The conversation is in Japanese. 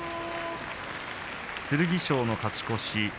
剣翔の勝ち越し。